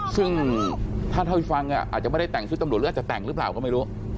ซึ่งถ้าเท่าที่ฟังอาจจะไม่ได้แต่งชุดตำรวจหรืออาจจะแต่งหรือเปล่าก็ไม่รู้